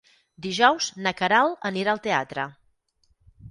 Dijous na Queralt anirà al teatre.